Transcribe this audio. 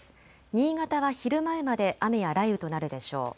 新潟は昼前まで雨や雷雨となるでしょう。